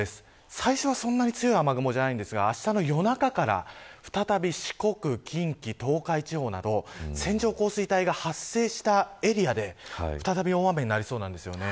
最初は強い雨雲ではありませんがあしたの夜中から再び四国、近畿、東海地方など線状降水帯が発生したエリアで再び大雨になりそうです。